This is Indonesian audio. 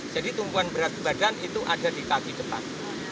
jadi tumpuan berat badan itu ada di kaki depan